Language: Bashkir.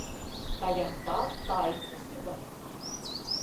Таяҡта тай көсө бар.